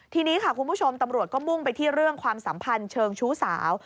ทีนี้ค่ะคุณผู้ชมตำรวจก็มุ่งไปที่เรื่องความสัมพันธ์เชิงชู้สาว